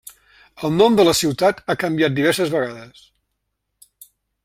El nom de la ciutat ha canviat diverses vegades.